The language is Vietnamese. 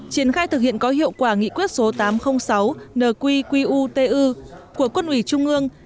triển khai thực hiện có hiệu quả nghị quyết số tám trăm linh sáu nqutu của quân ủy trung ương